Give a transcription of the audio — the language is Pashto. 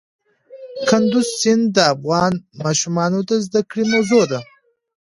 کندز سیند د افغان ماشومانو د زده کړې موضوع ده.